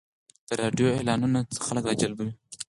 د راډیو اعلانونه خلک راجلبوي.